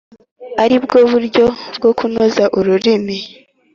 ari bwo buryo bwo kunoza ururimi,